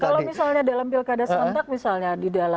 kalau misalnya dalam pilkadas rentak misalnya